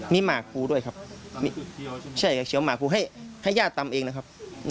มีหมากกูด้วยครับใช่เชียวหมากกูให้ย่าตำเองนะครับ